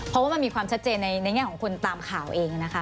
เพราะว่ามันมีความชัดเจนในแง่ของคนตามข่าวเองนะคะ